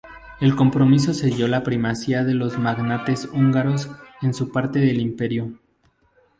El Compromiso selló la primacía de los magnates húngaros en su parte del imperio.